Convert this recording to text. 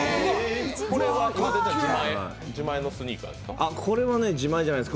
これは自前のスニーカーですか？